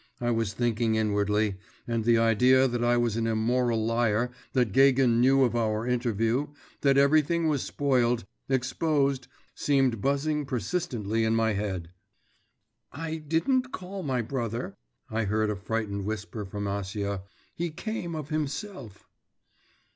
I was thinking inwardly, and the idea that I was an immoral liar, that Gagin knew of our interview, that everything was spoilt, exposed seemed buzzing persistently in my head. 'I didn't call my brother' I heard a frightened whisper from Acia: 'he came of himself.